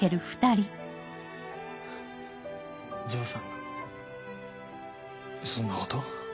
丈さんがそんなことを。